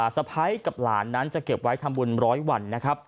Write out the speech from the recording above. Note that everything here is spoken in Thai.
สะไพรกับหลานจะเก็บไว้ทำบุญร้อยวัน